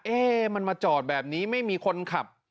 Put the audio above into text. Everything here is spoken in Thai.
เอ๊ะมันมาจอดแบบนี้ไม่มีคนขับ